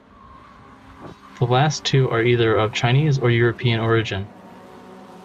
The last two are either of Chinese or European origin.